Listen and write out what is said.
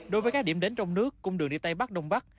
đối với các điểm đến trong nước cung đường đi tây bắc đông bắc